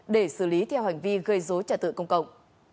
để xử lý theo hành vi gây dối trả tự công cộng